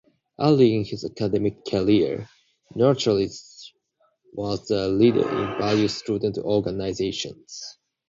Early in his academic career, Nurcholish was a leader in various student organizations.